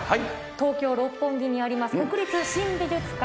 東京・六本木にあります国立新美術館